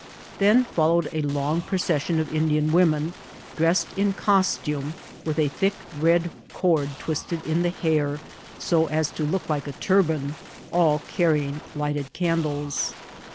Then fol lowed a long procession of Indian women dressed in costume, with a thick red cord twisted in the hair, so as to look like a turban, all carrying lighted candles.